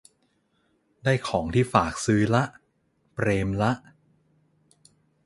ได้ของที่ฝากซื้อละ เปรมละ